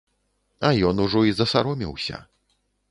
А ён ужо і засаромеўся.